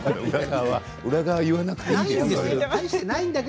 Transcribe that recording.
裏側言わなくていいんですよ。